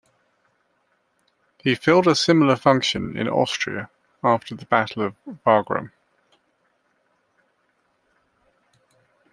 He filled a similar function in Austria after the battle of Wagram.